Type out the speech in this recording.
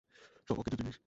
সব অকেজো জিনিস।